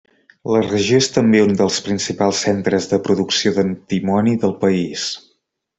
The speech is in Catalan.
La regió és també un dels principals centres de producció d'antimoni del país.